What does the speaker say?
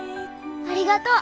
ありがとう。